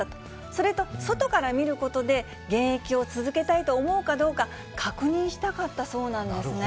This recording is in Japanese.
それと、外から見ることで、現役を続けたいと思うかどうか、確認したかったそうなんですね。